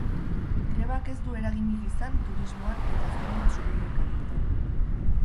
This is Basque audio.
Grebak ez du eraginik izan turismoan eta zenbait supermerkatuetan.